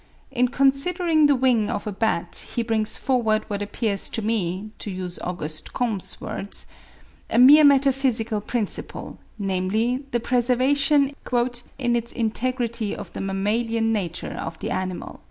In considering the wing of a bat, he brings forward (p. 218) what appears to me (to use Auguste Comte's words) a mere metaphysical principle, namely, the preservation "in its integrity of the mammalian nature of the animal."